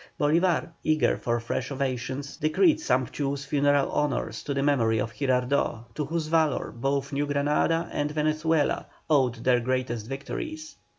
Bolívar, eager for fresh ovations, decreed sumptuous funeral honours to the memory of Girardot, to whose valour both New Granada and Venezuela owed their greatest victories.